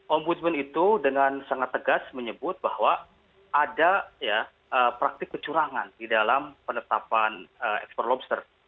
ombudsman itu dengan sangat tegas menyebut bahwa ada praktik kecurangan di dalam penetapan ekspor lobster